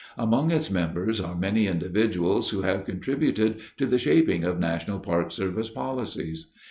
Among its members are many individuals who have contributed to the shaping of National Park Service policies.